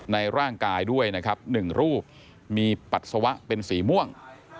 ในร่างกายด้วยนะครับ๑รูปมีปัสสาวะเป็นสีม่วง